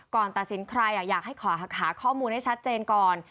ตัดสินใครอยากให้ขอหาข้อมูลให้ชัดเจนก่อน